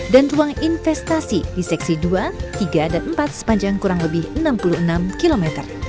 dan ruang investasi di seksi dua tiga dan empat sepanjang kurang lebih enam puluh enam km